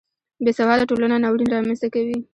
بې سواده ټولنه ناورین رامنځته کوي